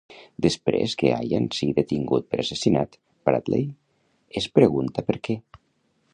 Després que Ian sigui detingut per assassinat, Bradley es pregunta per què.